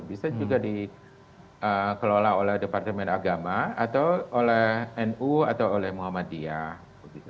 bisa juga dikelola oleh departemen agama atau oleh nu atau oleh muhammadiyah